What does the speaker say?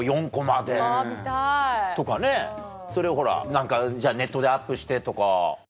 あぁ見たい。とかねそれをほら何かネットでアップしてとか。